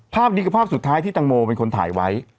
ภาพนี้คือภาพสุดท้ายที่ตังโมเป็นคนถ่ายไว้